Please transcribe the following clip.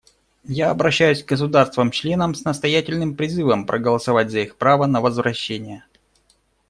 Я обращаюсь к государствам-членам с настоятельным призывом проголосовать за их право на возвращение.